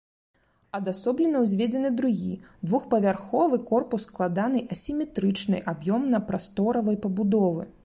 Адасоблена ўзведзены другі двухпавярховы корпус складанай асіметрычнай аб'ёмна-прасторавай пабудовы.